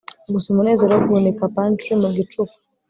gusa umunezero wo guhunika pantry mu gicuku